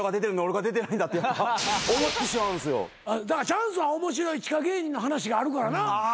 チャンスは面白い地下芸人の話があるからな。